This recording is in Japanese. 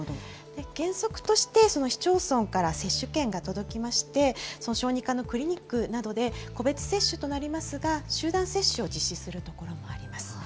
原則として、その市町村から接種券が届きまして、小児科のクリニックなどで個別接種となりますが、集団接種を実施するところもあります。